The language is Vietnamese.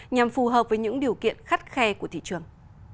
nhằm phù hợp với những điều kiện khắt khe của thị trường